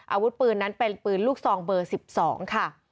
อาวุธปืนนั้นเป็นปืนลูกซองเบอร์๑๒ค่ะ